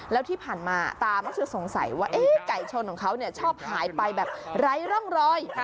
แล้วที่ผ่านมาตาก็คือสงสัยว่าไก่ชนของเขาชอบหายไปแบบไร้ร่องรอย